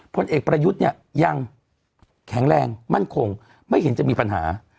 พลเอกประยุทธ์เนี่ยยังแข็งแรงมั่นคงไม่เห็นจะมีปัญหา